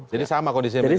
jadi sama kondisinya sekarang